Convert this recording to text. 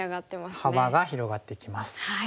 かなり幅が広がってきます。